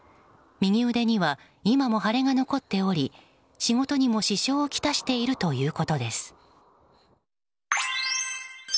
右腕には今も腫れが残っており仕事にも支障を来しているということです。